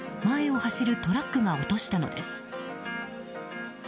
前を走るトラックが落としたのです。